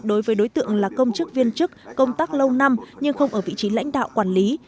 đối với đối tượng là công chức viên chức công tác lâu năm nhưng không ở vị trí lãnh đạo quản lý